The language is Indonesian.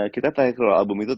kita tadi keluar album itu